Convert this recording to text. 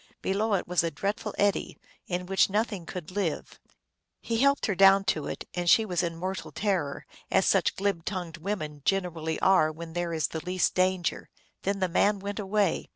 Below it was a dreadful eddy, in which nothing could live. He helped her down to it, and she was in mortal terror, as such glib tongued women generally are when there is the least danger. Then the man went away.